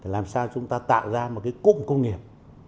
làm sao chúng ta tạo ra một cái cụm công nghiệp